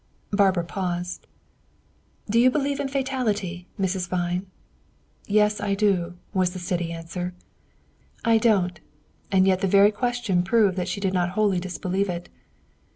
Barbara paused. "Do you believe in fatality, Madame Vine?" "Yes, I do," was the steady answer. "I don't," and yet the very question proved that she did not wholly disbelieve it.